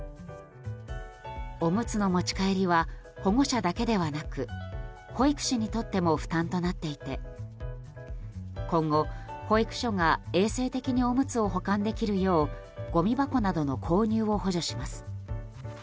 おむつの持ち帰りは保護者だけではなく保育士にとっても負担となっていて今後、保育所が衛生的におむつを保管できるようごみ箱などの購入を補助します。